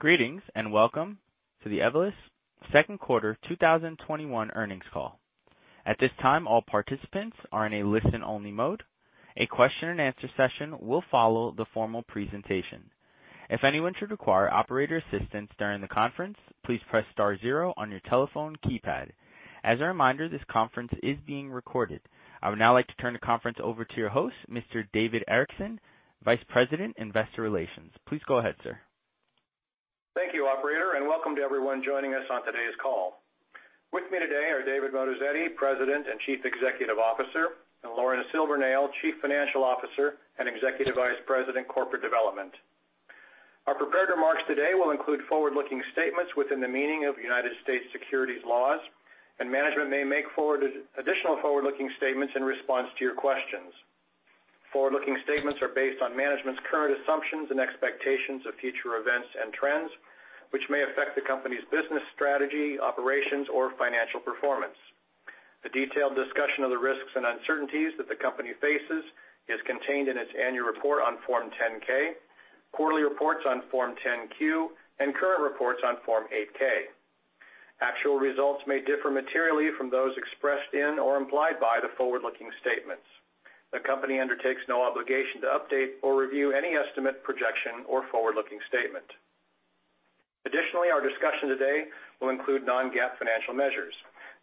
Greetings, welcome to the Evolus second quarter 2021 earnings call. At this time, all participants are in a listen-only mode. A question and answer session will follow the formal presentation. If anyone should require operator assistance during the conference, please press star zero on your telephone keypad. As a reminder, this conference is being recorded. I would now like to turn the conference over to your host, Mr. David Erickson, Vice President, Investor Relations. Please go ahead, sir. Thank you, operator, and welcome to everyone joining us on today's call. With me today are David Moatazedi, President and Chief Executive Officer, and Lauren Silvernail, Chief Financial Officer and Executive Vice President, Corporate Development. Our prepared remarks today will include forward-looking statements within the meaning of United States securities laws, and management may make additional forward-looking statements in response to your questions. Forward-looking statements are based on management's current assumptions and expectations of future events and trends, which may affect the company's business strategy, operations, or financial performance. A detailed discussion of the risks and uncertainties that the company faces is contained in its annual report on Form 10-K, quarterly reports on Form 10-Q, and current reports on Form 8-K. Actual results may differ materially from those expressed in or implied by the forward-looking statements. The company undertakes no obligation to update or review any estimate, projection, or forward-looking statement. Additionally, our discussion today will include non-GAAP financial measures.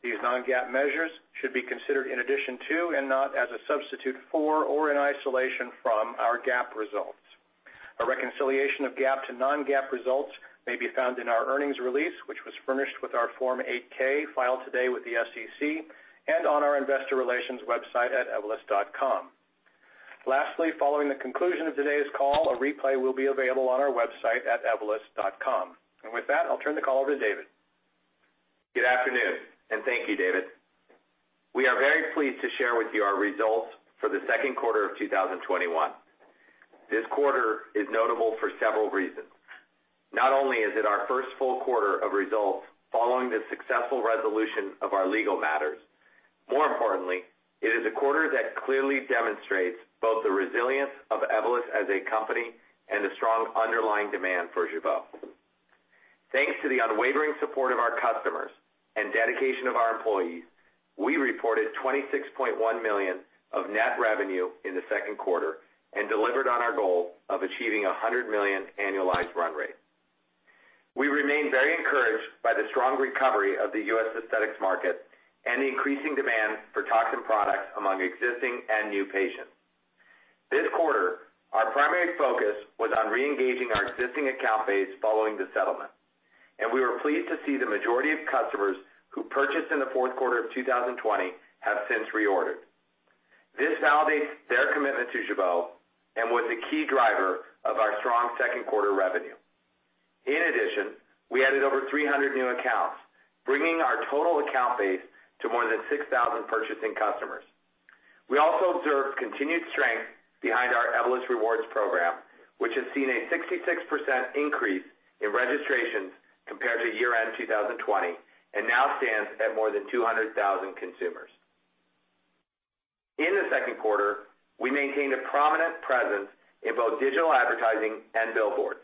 These non-GAAP measures should be considered in addition to and not as a substitute for or in isolation from our GAAP results. A reconciliation of GAAP to non-GAAP results may be found in our earnings release, which was furnished with our Form 8-K filed today with the SEC and on our investor relations website at evolus.com. Lastly, following the conclusion of today's call, a replay will be available on our website at evolus.com. With that, I'll turn the call over to David. Good afternoon. Thank you, David. We are very pleased to share with you our results for the second quarter of 2021. This quarter is notable for several reasons. Not only is it our first full quarter of results following the successful resolution of our legal matters, more importantly, it is a quarter that clearly demonstrates both the resilience of Evolus as a company and the strong underlying demand for Jeuveau. Thanks to the unwavering support of our customers and dedication of our employees, we reported $26.1 million of net revenue in the second quarter and delivered on our goal of achieving $100 million annualized run rate. We remain very encouraged by the strong recovery of the U.S. aesthetics market and the increasing demand for toxin products among existing and new patients. This quarter, our primary focus was on re-engaging our existing account base following the settlement, and we were pleased to see the majority of customers who purchased in the fourth quarter of 2020 have since reordered. This validates their commitment to Jeuveau and was a key driver of our strong second quarter revenue. In addition, we added over 300 new accounts, bringing our total account base to more than 6,000 purchasing customers. We also observed continued strength behind our Evolus Rewards program, which has seen a 66% increase in registrations compared to year-end 2020 and now stands at more than 200,000 consumers. In the second quarter, we maintained a prominent presence in both digital advertising and billboards.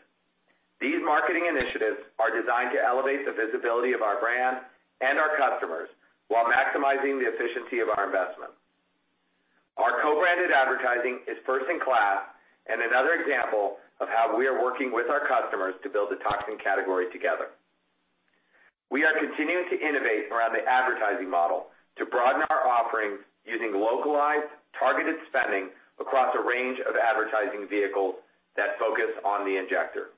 These marketing initiatives are designed to elevate the visibility of our brand and our customers while maximizing the efficiency of our investment. Our co-branded advertising is first in class and another example of how we are working with our customers to build the toxin category together. We are continuing to innovate around the advertising model to broaden our offerings using localized, targeted spending across a range of advertising vehicles that focus on the injector.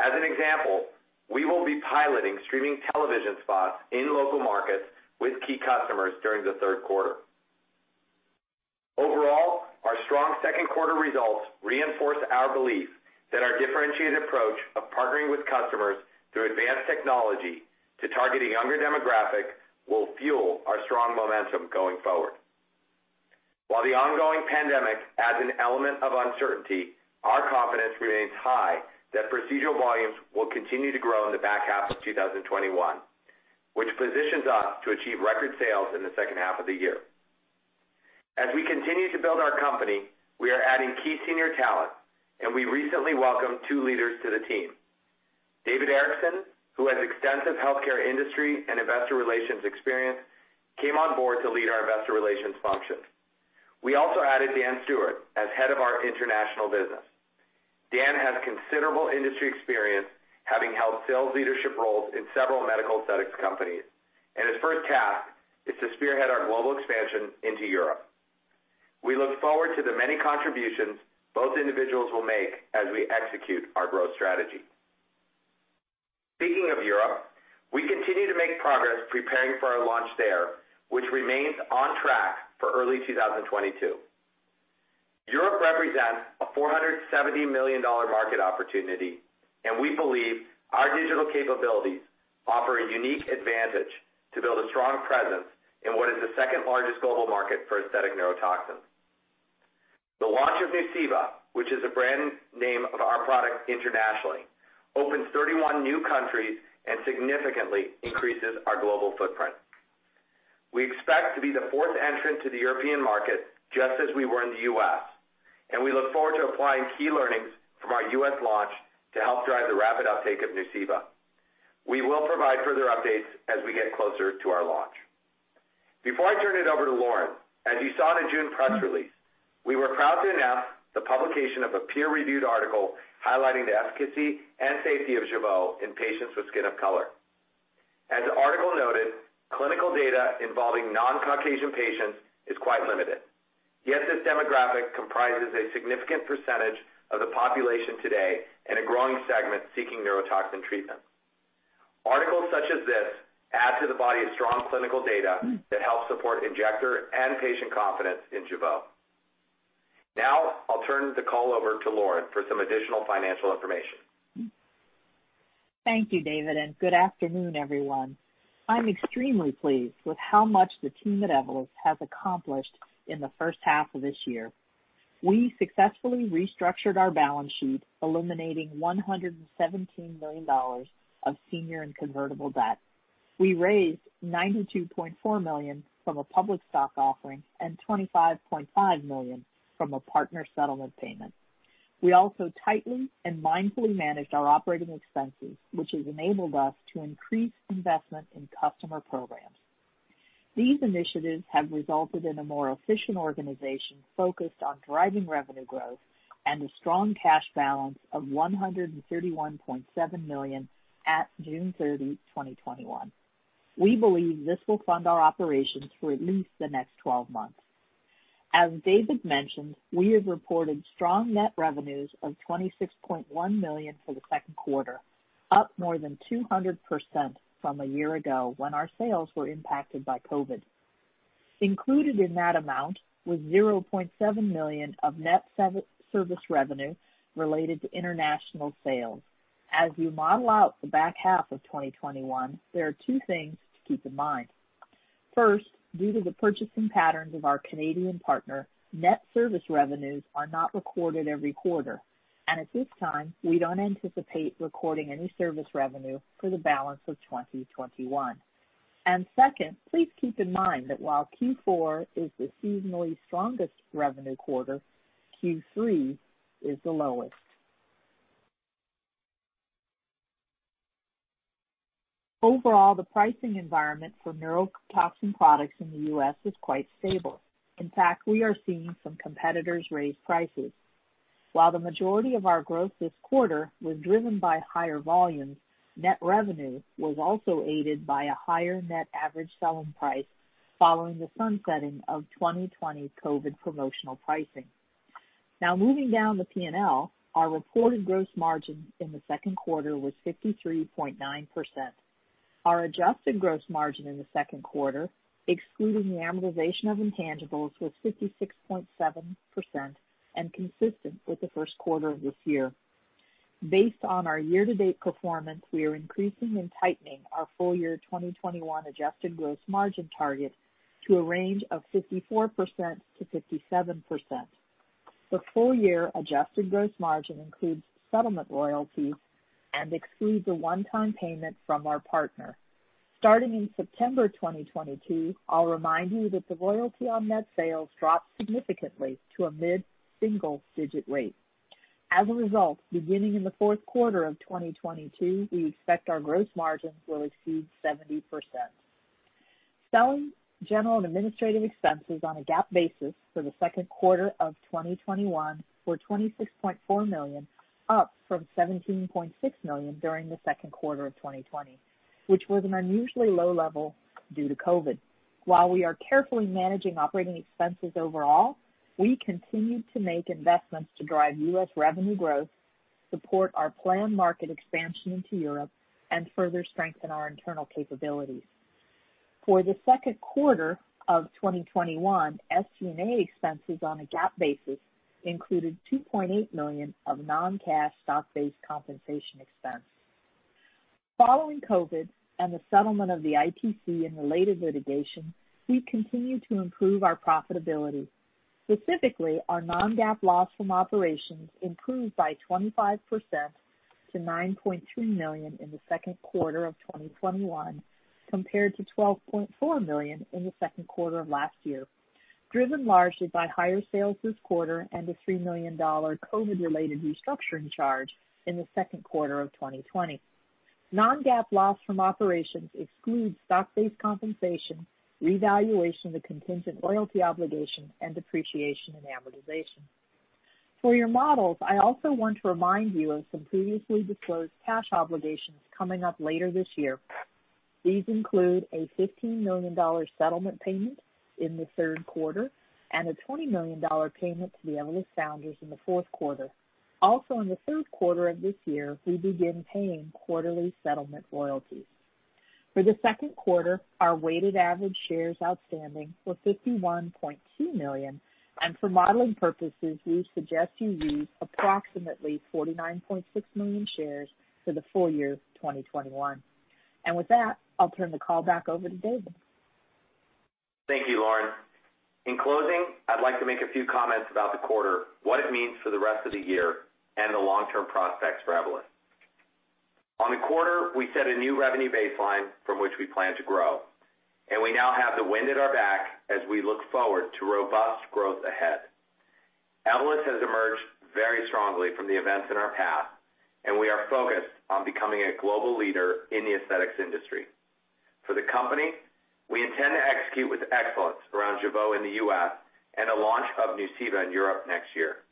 As an example, we will be piloting streaming television spots in local markets with key customers during the third quarter. Overall, our strong second quarter results reinforce our belief that our differentiated approach of partnering with customers through advanced technology to target a younger demographic will fuel our strong momentum going forward. While the ongoing pandemic adds an element of uncertainty, our confidence remains high that procedural volumes will continue to grow in the back half of 2021, which positions us to achieve record sales in the second half of the year. As we continue to build our company, we are adding key senior talent, and we recently welcomed two leaders to the team. David Erickson, who has extensive healthcare industry and investor relations experience, came on board to lead our investor relations functions. We also added Dan Stewart as head of our international business. Dan has considerable industry experience, having held sales leadership roles in several medical aesthetics companies, and his first task is to spearhead our global expansion into Europe. We look forward to the many contributions both individuals will make as we execute our growth strategy. Speaking of Europe, we continue to make progress preparing for our launch there, which remains on track for early 2022. Europe represents a $470 million market opportunity, and we believe our digital capabilities offer a unique advantage to build a strong presence in what is the second largest global market for aesthetic neurotoxin. The launch of Nuceiva, which is the brand name of our product internationally, opens 31 new countries and significantly increases our global footprint. We expect to be the fourth entrant to the European market, just as we were in the U.S., and we look forward to applying key learnings from our U.S. launch to help drive the rapid uptake of Nuceiva. We will provide further updates as we get closer to our launch. Before I turn it over to Lauren, as you saw in the June press release, we were proud to announce the publication of a peer-reviewed article highlighting the efficacy and safety of Jeuveau in patients with skin of color. As the article noted, clinical data involving non-Caucasian patients is quite limited. This demographic comprises a significant percentage of the population today and a growing segment seeking neurotoxin treatment. Articles such as this add to the body of strong clinical data that help support injector and patient confidence in Jeuveau. Now I'll turn the call over to Lauren for some additional financial information. Thank you, David. Good afternoon, everyone. I'm extremely pleased with how much the team at Evolus has accomplished in the first half of this year. We successfully restructured our balance sheet, eliminating $117 million of senior and convertible debt. We raised $92.4 million from a public stock offering and $25.5 million from a partner settlement payment. We also tightly and mindfully managed our operating expenses, which has enabled us to increase investment in customer programs. These initiatives have resulted in a more efficient organization focused on driving revenue growth and a strong cash balance of $131.7 million at June 30, 2021. We believe this will fund our operations for at least the next 12 months. As David mentioned, we have reported strong net revenues of $26.1 million for the second quarter, up more than 200% from a year ago when our sales were impacted by COVID. Included in that amount was $0.7 million of net service revenue related to international sales. As we model out the back half of 2021, there are two things to keep in mind. First, due to the purchasing patterns of our Canadian partner, net service revenues are not recorded every quarter, and at this time, we don't anticipate recording any service revenue for the balance of 2021. Second, please keep in mind that while Q4 is the seasonally strongest revenue quarter, Q3 is the lowest. Overall, the pricing environment for neurotoxin products in the U.S. is quite stable. In fact, we are seeing some competitors raise prices. While the majority of our growth this quarter was driven by higher volumes, net revenue was also aided by a higher net average selling price following the sunsetting of 2020's COVID promotional pricing. Moving down the P&L, our reported gross margin in the second quarter was 53.9%. Our adjusted gross margin in the second quarter, excluding the amortization of intangibles, was 56.7% and consistent with the first quarter of this year. Based on our year-to-date performance, we are increasing and tightening our full year 2021 adjusted gross margin target to a range of 54%-57%. The full-year adjusted gross margin includes settlement royalties and excludes a one-time payment from our partner. Starting in September 2022, I will remind you that the royalty on net sales drops significantly to a mid-single digit rate. As a result, beginning in the fourth quarter of 2022, we expect our gross margins will exceed 70%. Selling, general, and administrative expenses on a GAAP basis for the second quarter of 2021 were $26.4 million, up from $17.6 million during the second quarter of 2020, which was an unusually low level due to COVID. While we are carefully managing operating expenses overall, we continue to make investments to drive U.S. revenue growth, support our planned market expansion into Europe, and further strengthen our internal capabilities. For the second quarter of 2021, SG&A expenses on a GAAP basis included $2.8 million of non-cash stock-based compensation expense. Following COVID and the settlement of the ITC and related litigation, we continue to improve our profitability. Specifically, our non-GAAP loss from operations improved by 25% to $9.2 million in the second quarter of 2021 compared to $12.4 million in the second quarter of last year, driven largely by higher sales this quarter and a $3 million COVID-related restructuring charge in the second quarter of 2020. Non-GAAP loss from operations excludes stock-based compensation, revaluation of contingent royalty obligation, and depreciation and amortization. For your models, I also want to remind you of some previously disclosed cash obligations coming up later this year. These include a $15 million settlement payment in the third quarter and a $20 million payment to the Evolus founders in the fourth quarter. Also, in the third quarter of this year, we begin paying quarterly settlement royalties. For the second quarter, our weighted average shares outstanding were 51.2 million, and for modeling purposes, we suggest you use approximately 49.6 million shares for the full year 2021. With that, I'll turn the call back over to David. Thank you, Lauren. In closing, I'd like to make a few comments about the quarter, what it means for the rest of the year, and the long-term prospects for Evolus. On the quarter, we set a new revenue baseline from which we plan to grow, and we now have the wind at our back as we look forward to robust growth ahead. Evolus has emerged very strongly from the events in our path, and we are focused on becoming a global leader in the aesthetics industry. For the company, we intend to execute with excellence around Jeuveau in the U.S. and the launch of Nuceiva in Europe next year.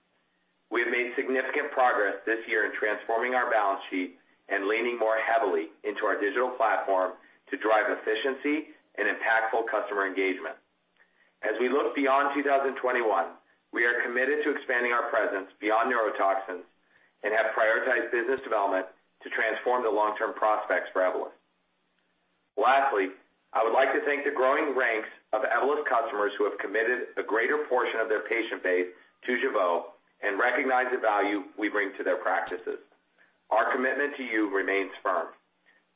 We have made significant progress this year in transforming our balance sheet and leaning more heavily into our digital platform to drive efficiency and impactful customer engagement. As we look beyond 2021, we are committed to expanding our presence beyond neurotoxins and have prioritized business development to transform the long-term prospects for Evolus. Lastly, I would like to thank the growing ranks of Evolus customers who have committed a greater portion of their patient base to Jeuveau and recognize the value we bring to their practices. Our commitment to you remains firm.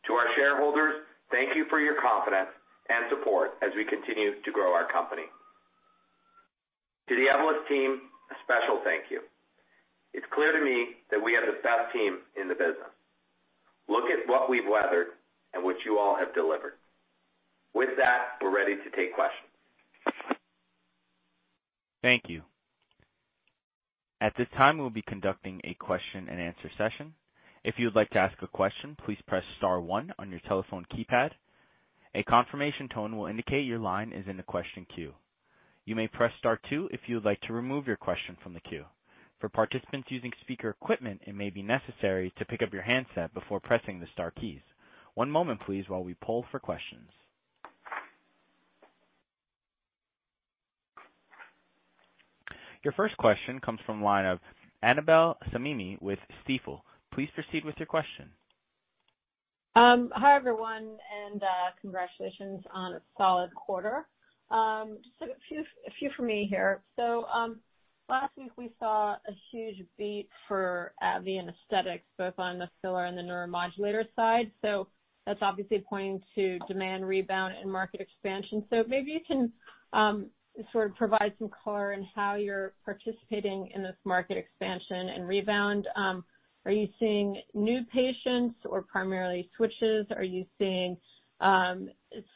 To our shareholders, thank you for your confidence and support as we continue to grow our company. To the Evolus team, a special thank you. It's clear to me that we have the best team in the business. Look at what we've weathered and what you all have delivered. With that, we're ready to take questions. Thank you. At this time, we'll be conducting a question and answer session. If you would like to ask a question, please press star one on your telephone keypad. A confirmation tone will indicate your line is in the question queue. You may press star two if you would like to remove your question from the queue. For participants using speaker equipment, it may be necessary to pick up your handset before pressing the star keys. One moment, please, while we poll for questions. Your first question comes from the line of Annabel Samimy with Stifel. Please proceed with your question. Hi, everyone. Congratulations on a solid quarter. Just a few from me here. Last week, we saw a huge beat for AbbVie and aesthetics, both on the filler and the neuromodulator side. That's obviously pointing to demand rebound and market expansion. Maybe you can sort of provide some color on how you're participating in this market expansion and rebound. Are you seeing new patients or primarily switches? Are you seeing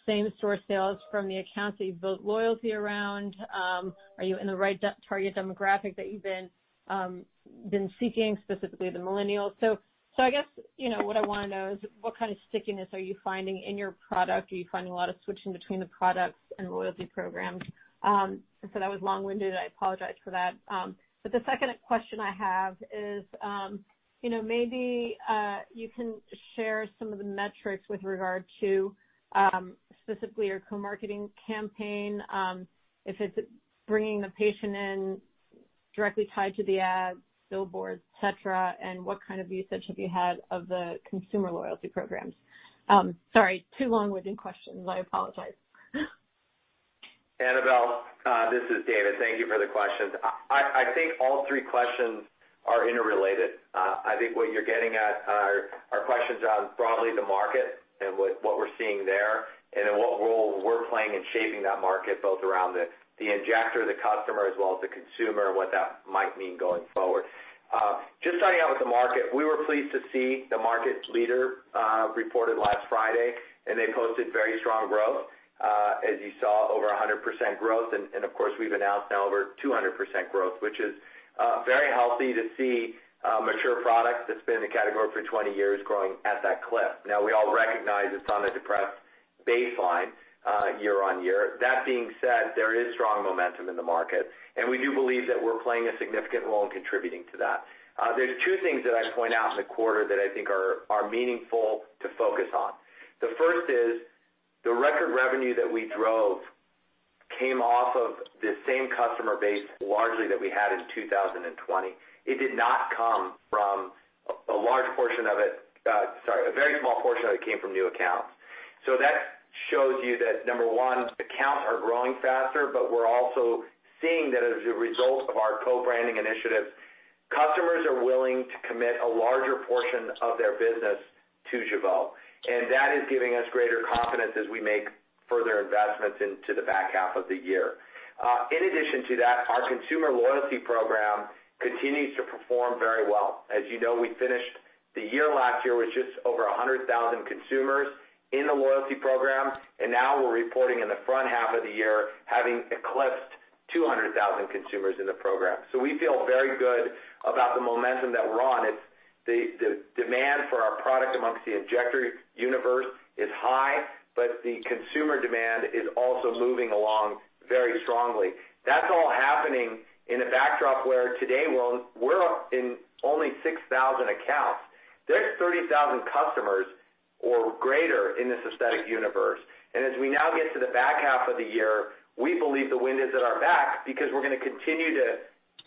same store sales from the accounts that you've built loyalty around? Are you in the right target demographic that you've been seeking, specifically the millennials? I guess what I want to know is what kind of stickiness are you finding in your product? Are you finding a lot of switching between the products and loyalty programs? That was long-winded. I apologize for that. The second question I have is maybe you can share some of the metrics with regard to specifically your co-marketing campaign, if it's bringing the patient in directly tied to the ad, billboards, et cetera, and what kind of usage have you had of the consumer loyalty programs? Sorry, two long-winded questions. I apologize. Annabel, this is David. Thank you for the questions. I think all three questions are interrelated. I think what you're getting at are questions on broadly the market and what we're seeing there, and then what role we're playing in shaping that market, both around the injector, the customer, as well as the consumer, and what that might mean going forward. Just starting out with the market, we were pleased to see the market leader reported last Friday, they posted very strong growth, as you saw, over 100% growth. Of course, we've announced now over 200% growth, which is very healthy to see mature products that's been in the category for 20 years growing at that clip. Now, we all recognize it's on a depressed baseline year-over-year. That being said, there is strong momentum in the market, and we do believe that we're playing a significant role in contributing to that. There's two things that I'd point out in the quarter that I think are meaningful to focus on. The first is the record revenue that we drove came off of the same customer base largely that we had in 2020. It did not come from a large portion of it. Sorry, a very small portion of it came from new accounts. That shows you that, number one, accounts are growing faster, but we're also seeing that as a result of our co-branding initiative, customers are willing to commit a larger portion of their business to Jeuveau, and that is giving us greater confidence as we make further investments into the back half of the year. In addition to that, our consumer loyalty program continues to perform very well. As you know, we finished the year last year with just over 100,000 consumers in the loyalty program, and now we're reporting in the front half of the year having eclipsed 200,000 consumers in the program. We feel very good about the momentum that we're on. The demand for our product amongst the injector universe is high, but the consumer demand is also moving along very strongly. That's all happening in a backdrop where today we're in only 6,000 accounts. There's 30,000 customers or greater in this aesthetic universe. As we now get to the back half of the year, we believe the wind is at our back because we're going to continue to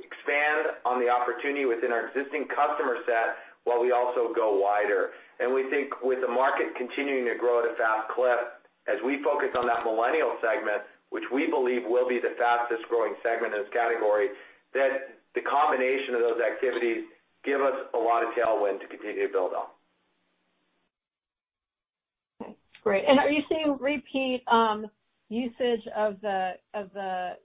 expand on the opportunity within our existing customer set while we also go wider. We think with the market continuing to grow at a fast clip, as we focus on that millennial segment, which we believe will be the fastest-growing segment in this category, that the combination of those activities give us a lot of tailwind to continue to build on. Great. Are you seeing repeat usage of the Evolus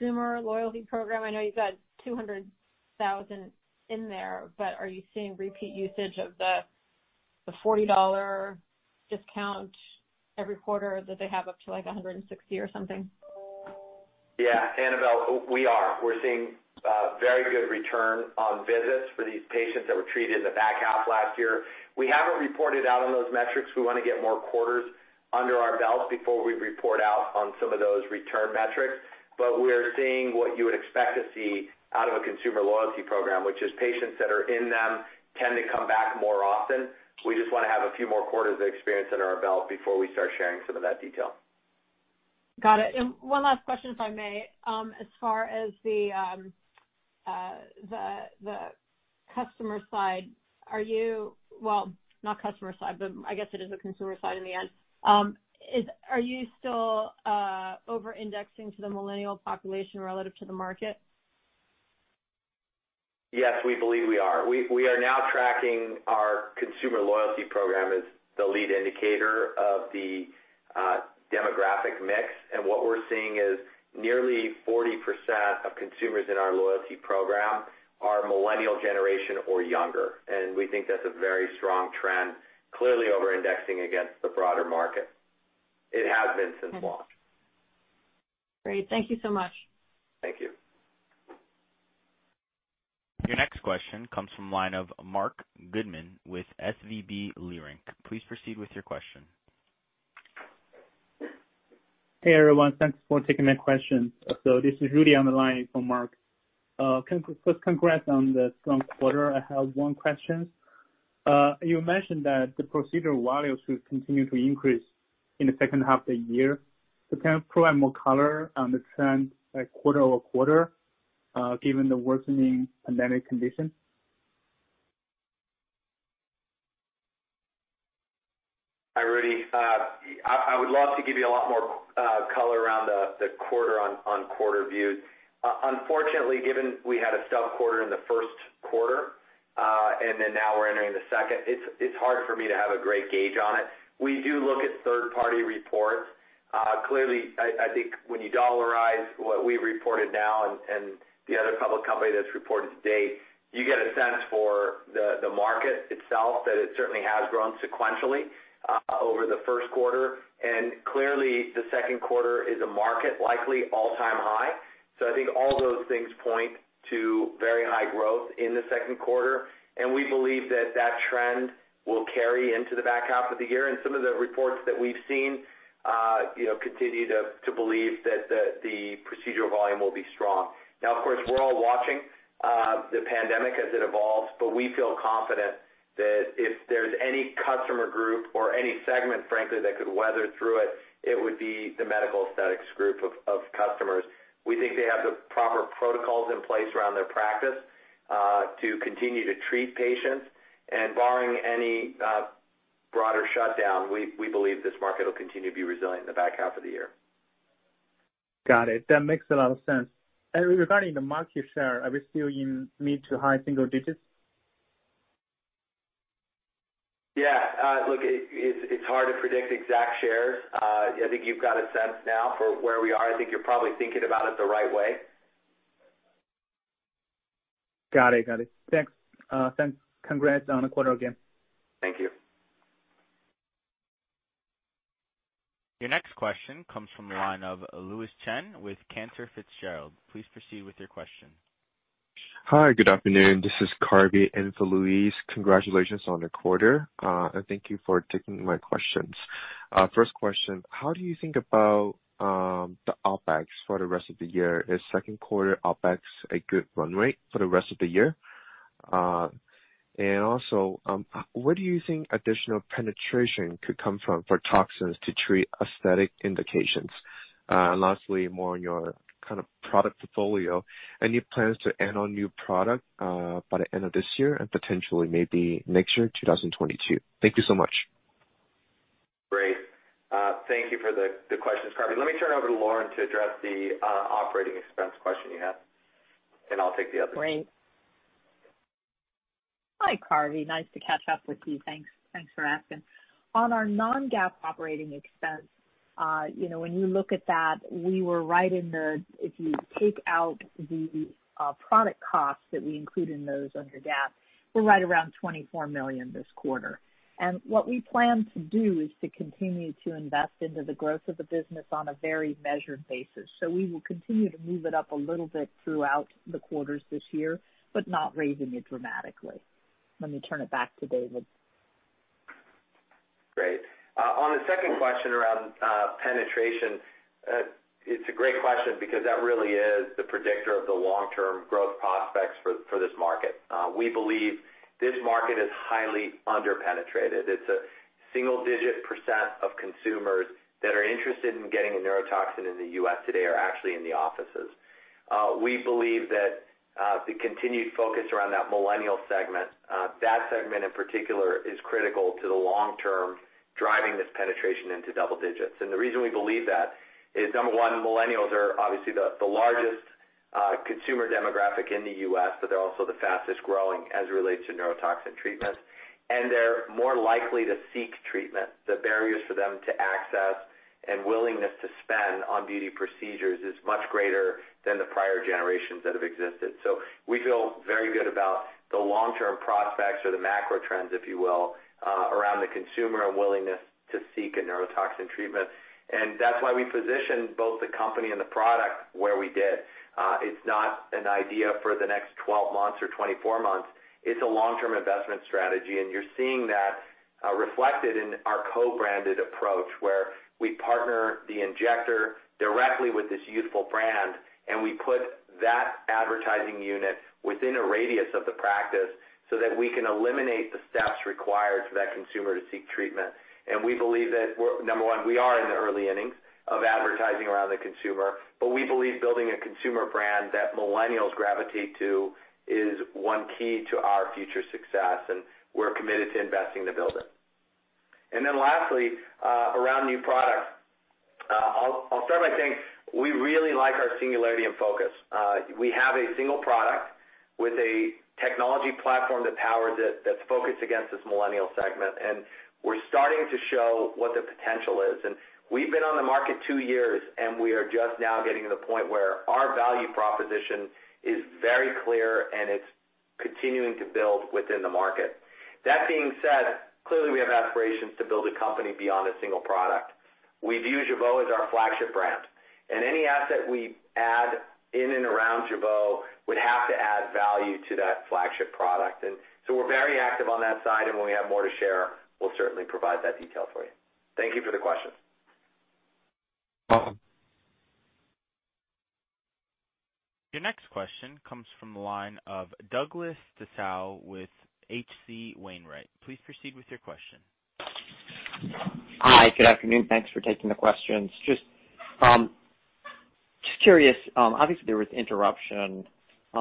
Rewards? I know you've got 200,000 in there, but are you seeing repeat usage of the $40 discount every quarter that they have up to $160 or something? Annabel, we are. We're seeing very good return on visits for these patients that were treated in the back half last year. We haven't reported out on those metrics. We want to get more quarters under our belt before we report out on some of those return metrics. We're seeing what you would expect to see out of a consumer loyalty program, which is patients that are in them tend to come back more often. We just want to have a few more quarters of experience under our belt before we start sharing some of that detail. Got it. One last question, if I may. As far as the customer side, Well, not customer side, but I guess it is the consumer side in the end. Are you still over-indexing to the millennial population relative to the market? Yes, we believe we are. We are now tracking our Evolus Rewards as the lead indicator of the demographic mix, and what we're seeing is nearly 40% of consumers in our Evolus Rewards are millennial generation or younger. We think that's a very strong trend, clearly over-indexing against the broader market. It has been since launch. Great. Thank you so much. Thank you. Your next question comes from the line of Marc Goodman with Leerink Partners. Please proceed with your question. Hey, everyone. Thanks for taking that question. This is Rudy on the line for Marc. First, congrats on the strong quarter. I have one question. You mentioned that the procedure volumes will continue to increase in the second half of the year. Can you provide more color on the trend by quarter-over-quarter, given the worsening pandemic conditions? Hi, Rudy. I would love to give you a lot more color around the quarter-on-quarter view. Unfortunately, given we had a stub quarter in the first quarter, and then now we're entering the second, it's hard for me to have a great gauge on it. We do look at third-party reports. Clearly, I think when you dollarize what we've reported now and the other public company that's reported to date, you get a sense for the market itself, that it certainly has grown sequentially over the first quarter. Clearly, the second quarter is a market likely all-time high. I think all those things point to very high growth in the second quarter, and we believe that trend will carry into the back half of the year. Some of the reports that we've seen continue to believe that the procedural volume will be strong. Now, of course, we're all watching the pandemic as it evolves, but we feel confident that if there's any customer group or any segment, frankly, that could weather through it would be the medical aesthetics group of customers. We think they have the proper protocols in place around their practice, to continue to treat patients. Barring any broader shutdown, we believe this market will continue to be resilient in the back half of the year. Got it. That makes a lot of sense. Regarding the market share, are we still in mid to high single digits? Yeah. Look, it's hard to predict exact shares. I think you've got a sense now for where we are. I think you're probably thinking about it the right way. Got it. Thanks. Congrats on the quarter again. Thank you. Your next question comes from the line of Louise Chen with Cantor Fitzgerald. Please proceed with your question. Hi, good afternoon. This is Carvey in for Louise Chen. Congratulations on the quarter. Thank you for taking my questions. First question, how do you think about the OpEx for the rest of the year? Is second quarter OpEx a good run rate for the rest of the year? Also, where do you think additional penetration could come from for toxins to treat aesthetic indications? Lastly, more on your product portfolio. Any plans to add on new product by the end of this year and potentially maybe next year, 2022? Thank you so much. Great. Thank you for the questions, Carvey. Let me turn it over to Lauren to address the operating expense question you had, and I'll take the other. Great. Hi, Carvey. Nice to catch up with you. Thanks for asking. On our non-GAAP operating expense, when you look at that, we were right in the, if you take out the product costs that we include in those under GAAP, we're right around $24 million this quarter. What we plan to do is to continue to invest into the growth of the business on a very measured basis. We will continue to move it up a little bit throughout the quarters this year, but not raising it dramatically. Let me turn it back to David. Great. On the second question around penetration, it's a great question because that really is the predictor of the long-term growth prospects for this market. We believe this market is highly under-penetrated. It's a single-digit percent of consumers that are interested in getting a neurotoxin in the U.S. today are actually in the offices. We believe that the continued focus around that millennial segment, that segment in particular, is critical to the long term, driving this penetration into double digits. The reason we believe that is, number one, millennials are obviously the largest consumer demographic in the U.S., but they're also the fastest-growing as it relates to neurotoxin treatments, and they're more likely to seek treatment. The barriers for them to access and willingness to spend on beauty procedures is much greater than the prior generations that have existed. We feel very good about the long-term prospects or the macro trends, if you will, around the consumer willingness to seek a neurotoxin treatment. That's why we positioned both the company and the product where we did. It's not an idea for the next 12 months or 24 months. It's a long-term investment strategy, and you're seeing that reflected in our co-branded approach, where we partner the injector directly with this youthful brand, and we put that advertising unit within a radius of the practice so that we can eliminate the steps required for that consumer to seek treatment. We believe that, number one, we are in the early innings of advertising around the consumer. We believe building a consumer brand that millennials gravitate to is one key to our future success, and we're committed to investing to build it. Lastly, around new products. I'll start by saying we really like our singularity and focus. We have a single product with a technology platform that powers it that's focused against this millennial segment, and we're starting to show what the potential is. We've been on the market two years, and we are just now getting to the point where our value proposition is very clear, and it's continuing to build within the market. That being said, clearly, we have aspirations to build a company beyond a single product. We view Jeuveau as our flagship brand, and any asset we add in and around Jeuveau would have to add value to that flagship product. We're very active on that side, and when we have more to share, we'll certainly provide that detail for you. Thank you for the question. Your next question comes from the line of Douglas Tsao with H.C. Wainwright. Please proceed with your question. Hi. Good afternoon. Thanks for taking the questions. Just curious, obviously, there was interruption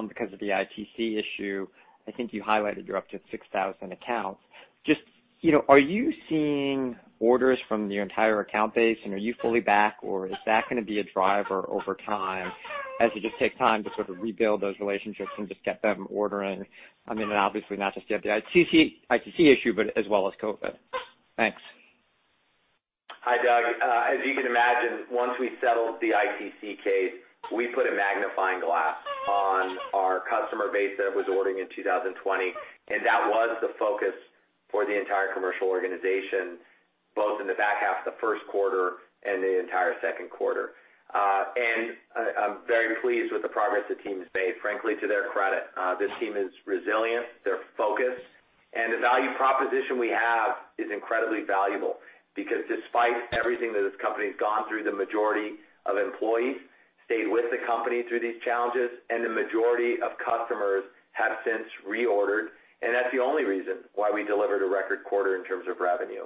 because of the ITC issue. I think you highlighted you're up to 6,000 accounts. Just are you seeing orders from your entire account base, and are you fully back, or is that going to be a driver over time as you just take time to sort of rebuild those relationships and just get them ordering? I mean, obviously not just yet the ITC issue, but as well as COVID. Thanks. Hi, Doug. As you can imagine, once we settled the ITC case, we put a magnifying glass on our customer base that was ordering in 2020. That was the focus for the entire commercial organization, both in the back half of the first quarter and the entire second quarter. I'm very pleased with the progress the team has made. Frankly, to their credit, this team is resilient, they're focused, and the value proposition we have is incredibly valuable because despite everything that this company's gone through, the majority of employees stayed with the company through these challenges, and the majority of customers have since reordered, and that's the only reason why we delivered a record quarter in terms of revenue.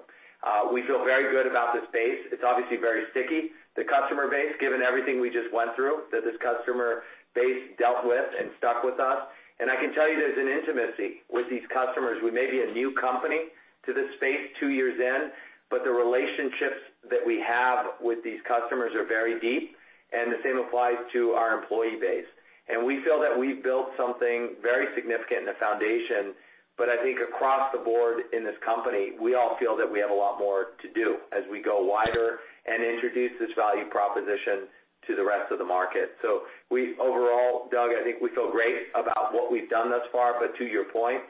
We feel very good about this base. It's obviously very sticky, the customer base, given everything we just went through, that this customer base dealt with and stuck with us. I can tell you there's an intimacy with these customers. We may be a new company to this space two years in, but the relationships that we have with these customers are very deep, and the same applies to our employee base. We feel that we've built something very significant in the foundation. I think across the board in this company, we all feel that we have a lot more to do as we go wider and introduce this value proposition to the rest of the market. We overall, Doug, I think we feel great about what we've done thus far. To your point,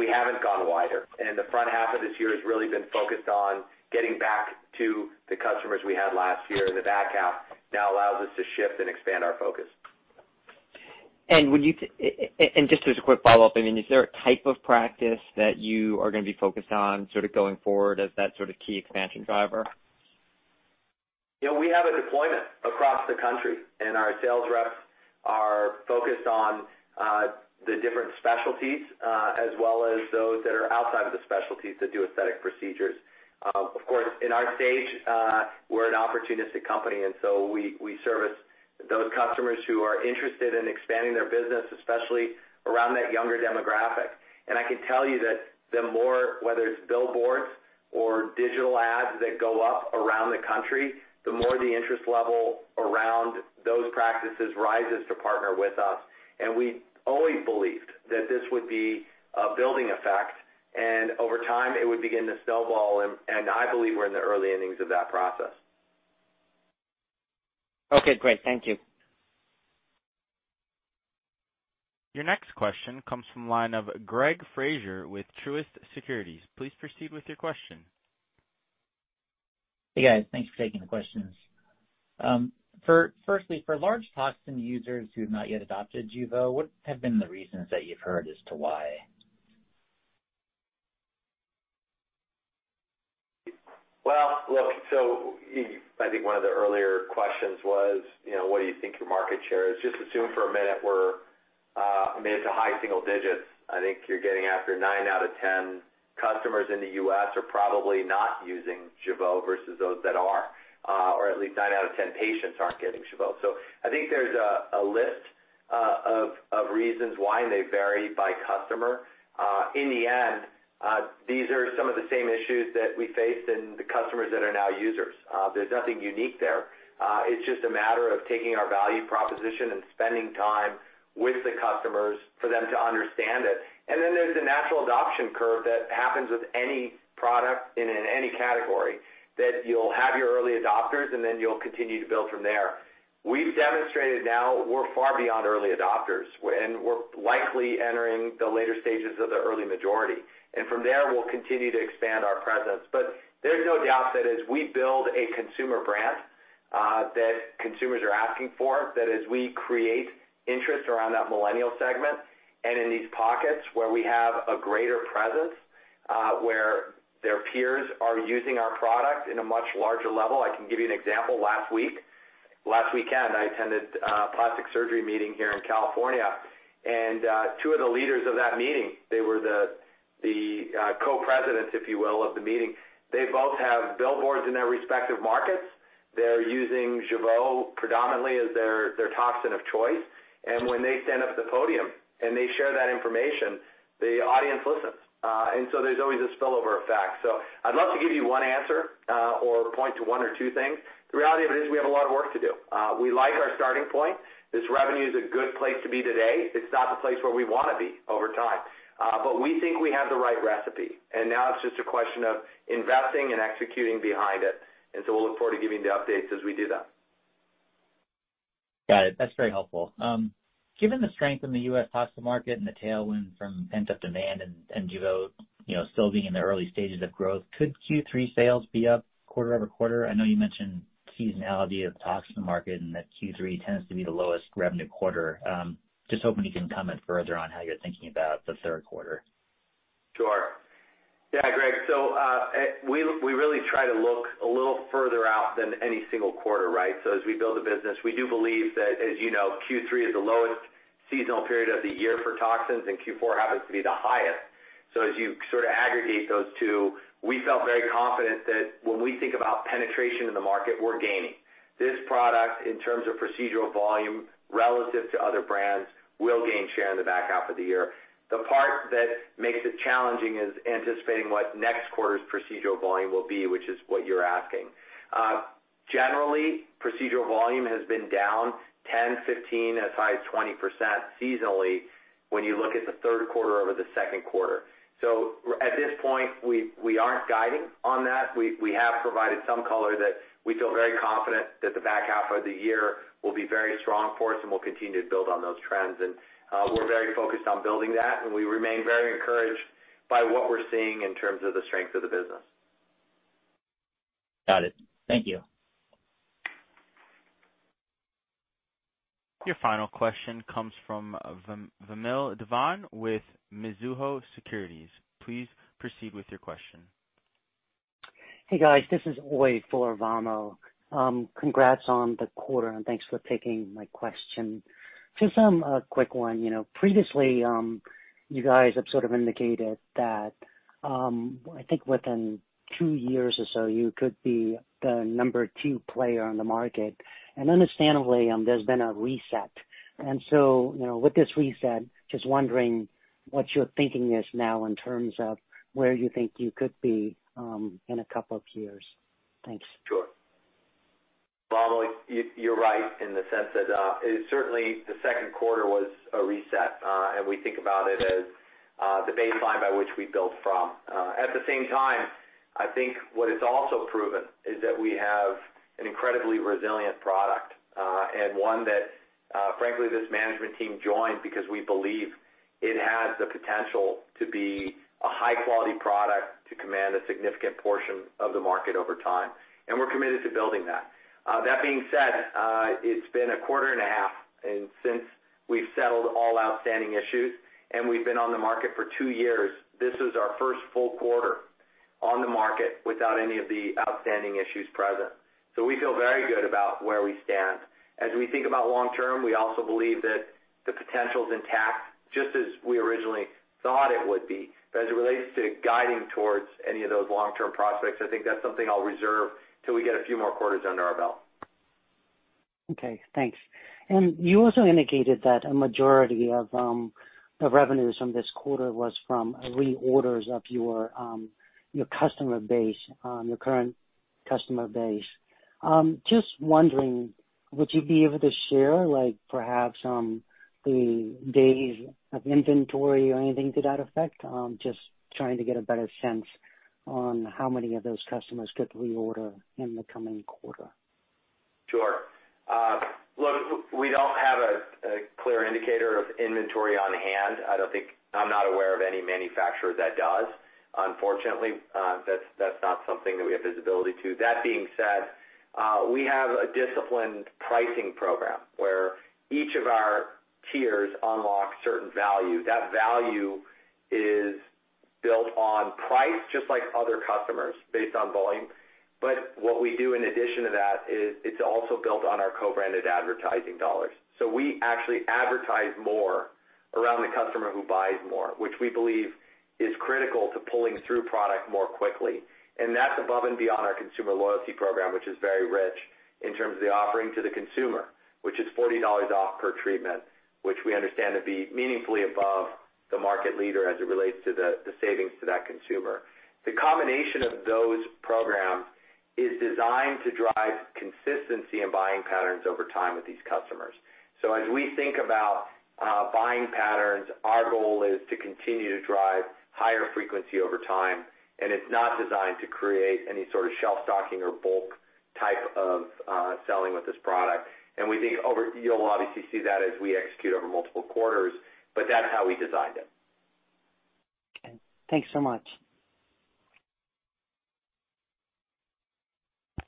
we haven't gone wider, and the front half of this year has really been focused on getting back to the customers we had last year in the back half now allows us to shift and expand our focus. Just as a quick follow-up, I mean, is there a type of practice that you are going to be focused on sort of going forward as that sort of key expansion driver? We have a deployment across the country, and our sales reps are focused on the different specialties, as well as those that are outside of the specialties that do aesthetic procedures. Of course, in our stage, we're an opportunistic company, and so we service those customers who are interested in expanding their business, especially around that younger demographic. I can tell you that the more, whether it's billboards or digital ads that go up around the country, the more the interest level around those practices rises to partner with us. We always believed that this would be a building effect, and over time it would begin to snowball, and I believe we're in the early innings of that process. Okay, great. Thank you. Your next question comes from the line of Greg Fraser with Truist Securities. Please proceed with your question. Hey, guys. Thanks for taking the questions. Firstly, for large neurotoxin users who have not yet adopted Jeuveau, what have been the reasons that you've heard as to why? I think one of the earlier questions was what do you think your market share is? Just assume for a minute we're mid to high single digits. I think you're getting after nine out of 10 customers in the U.S. are probably not using Jeuveau versus those that are. At least nine out of 10 patients aren't getting Jeuveau. I think there's a list of reasons why, and they vary by customer. In the end, these are some of the same issues that we faced and the customers that are now users. There's nothing unique there. It's just a matter of taking our value proposition and spending time with the customers for them to understand it. There's the natural adoption curve that happens with any product and in any category, that you'll have your early adopters, and then you'll continue to build from there. We've demonstrated now we're far beyond early adopters, and we're likely entering the later stages of the early majority. From there, we'll continue to expand our presence. There's no doubt that as we build a consumer brand that consumers are asking for, that as we create interest around that millennial segment and in these pockets where we have a greater presence where their peers are using our product in a much larger level. I can give you an example. Last weekend, I attended a plastic surgery meeting here in California, and two of the leaders of that meeting, they were the co-presidents, if you will, of the meeting. They both have billboards in their respective markets. They're using Jeuveau predominantly as their toxin of choice. When they stand up at the podium and they share that information, the audience listens. There's always a spillover effect. I'd love to give you one answer or point to one or two things. The reality of it is we have a lot of work to do. We like our starting point. This revenue is a good place to be today. It's not the place where we want to be over time. We think we have the right recipe, and now it's just a question of investing and executing behind it. We'll look forward to giving the updates as we do that. Got it. That's very helpful. Given the strength in the U.S. neurotoxin market and the tailwind from pent-up demand and Jeuveau still being in the early stages of growth, could Q3 sales be up quarter-over-quarter? I know you mentioned seasonality of the neurotoxin market and that Q3 tends to be the lowest revenue quarter. Just hoping you can comment further on how you're thinking about the third quarter. Sure. Yeah, Greg, we really try to look a little further out than any single quarter, right? As we build a business, we do believe that, as you know, Q3 is the lowest seasonal period of the year for toxins, and Q4 happens to be the highest. As you sort of aggregate those two, we felt very confident that when we think about penetration in the market, we're gaining. This product, in terms of procedural volume relative to other brands, will gain share in the back half of the year. The part that makes it challenging is anticipating what next quarter's procedural volume will be, which is what you're asking. Generally, procedural volume has been down 10%, 15% as high as 20% seasonally when you look at the third quarter over the second quarter. At this point, we aren't guiding on that. We have provided some color that we feel very confident that the back half of the year will be very strong for us and we'll continue to build on those trends. We're very focused on building that and we remain very encouraged by what we're seeing in terms of the strength of the business. Got it. Thank you. Your final question comes from Vamil Divan with Mizuho Securities. Please proceed with your question. Hey, guys, this is Uy Ear for Vamil Divan. Congrats on the quarter, thanks for taking my question. Just a quick one. Previously you guys have sort of indicated that I think within two years or so, you could be the number two player on the market, understandably, there's been a reset. With this reset, just wondering what your thinking is now in terms of where you think you could be in a couple of years. Thanks. Sure. Uy Ear, you're right in the sense that certainly the second quarter was a reset. We think about it as the baseline by which we build from. At the same time, I think what it's also proven is that we have an incredibly resilient product and one that frankly this management team joined because we believe it has the potential to be a high-quality product to command a significant portion of the market over time. We're committed to building that. That being said, it's been a quarter and a half, and since we've settled all outstanding issues and we've been on the market for two years, this is our first full quarter on the market without any of the outstanding issues present. We feel very good about where we stand. As we think about long term, we also believe that the potential's intact, just as we originally thought it would be. As it relates to guiding towards any of those long-term prospects, I think that's something I'll reserve till we get a few more quarters under our belt. Okay, thanks. You also indicated that a majority of revenues from this quarter was from reorders of your current customer base. Just wondering, would you be able to share like perhaps the days of inventory or anything to that effect? Just trying to get a better sense on how many of those customers could reorder in the coming quarter. Sure. Look, we don't have a clear indicator of inventory on hand. I'm not aware of any manufacturer that does. Unfortunately, that's not something that we have visibility to. That being said, we have a disciplined pricing program where each of our tiers unlock certain value. That value is built on price, just like other customers based on volume. What we do in addition to that is it's also built on our co-branded advertising dollars. We actually advertise more around the customer who buys more, which we believe is critical to pulling through product more quickly. That's above and beyond our consumer loyalty program, which is very rich in terms of the offering to the consumer, which is $40 off per treatment, which we understand to be meaningfully above the market leader as it relates to the savings to that consumer. The combination of those programs is designed to drive consistency in buying patterns over time with these customers. As we think about buying patterns, our goal is to continue to drive higher frequency over time, and it's not designed to create any sort of shelf stocking or bulk type of selling with this product. We think you'll obviously see that as we execute over multiple quarters, but that's how we designed it. Okay. Thanks so much.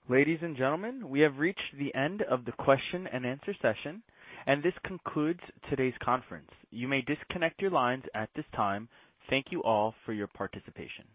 Ladies and gentlemen, we have reached the end of the question and answer session, and this concludes today's conference. You may disconnect your lines at this time. Thank you all for your participation.